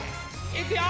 いくよ！